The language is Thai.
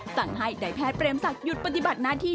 สั่งให้นายแพทย์เปรมศักดิหยุดปฏิบัติหน้าที่